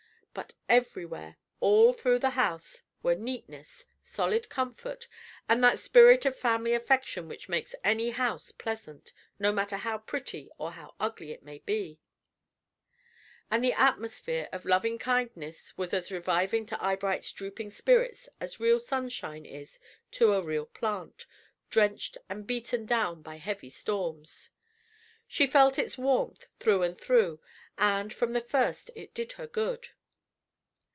But everywhere, all through the house, were neatness, solid comfort, and that spirit of family affection which makes any house pleasant, no matter how pretty or how ugly it may be; and this atmosphere of loving kindness was as reviving to Eyebright's drooping spirits as real sunshine is to a real plant, drenched and beaten down by heavy storms. She felt its warmth through and through, and from the first it did her good.